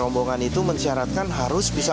rombongan itu mensyaratkan harus bisa